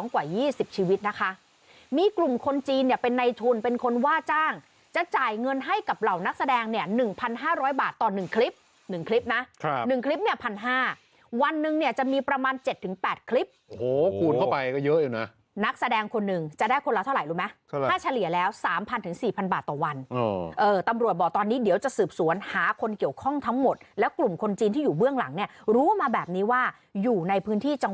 ๑๕๐๐บาทต่อ๑คลิป๑คลิป๑คลิป๑๕๐๐บาทวันหนึ่งจะมีประมาณ๗๘คลิปโอ้โหกูลเข้าไปก็เยอะอยู่นะนักแสดงคนหนึ่งจะได้คนละเท่าไหร่รู้ไหมถ้าเฉลี่ยแล้ว๓๐๐๐๔๐๐๐บาทต่อวันตำรวจบอกตอนนี้เดี๋ยวจะสืบสวนหาคนเกี่ยวข้องทั้งหมดแล้วกลุ่มคนจีนที่อยู่เบื้องหลังรู้มาแบบนี้ว่าอยู่ในพื้นที่จ